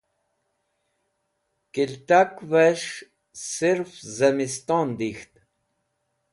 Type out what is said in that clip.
Kiltakvẽs̃h sirf zẽminston dik̃ht.